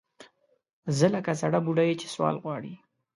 زه لکه زَړه بوډۍ چې سوال غواړي